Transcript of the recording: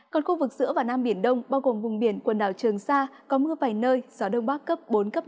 còn khu vực giữa và nam biển đông bao gồm vùng biển quần đảo trường sa có mưa vài nơi gió đông bắc cấp bốn cấp năm